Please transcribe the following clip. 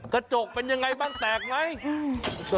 กระจกเป็นยังไงบ้างแตกไหม